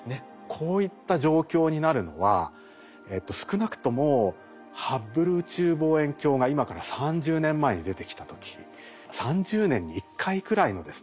こういった状況になるのは少なくともハッブル宇宙望遠鏡が今から３０年前に出てきた時３０年に１回くらいのですね